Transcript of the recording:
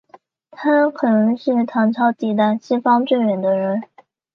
他可能是唐朝抵达西方最远的人。